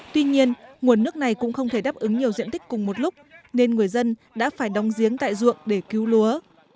tuy nhiên nguồn nước này cũng không thể đáp ứng nhiều diện tích cùng một lúc nên người dân đã phải đóng giếng tại ruộng để cứu lúa